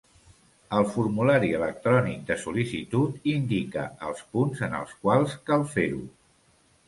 El formulari electrònic de sol·licitud indica els punts en els quals cal fer-ho.